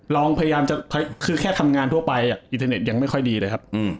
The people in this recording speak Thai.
พยายามจะคือแค่ทำงานทั่วไปอินเทอร์เน็ตยังไม่ค่อยดีเลยครับ